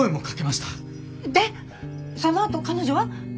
でそのあと彼女は？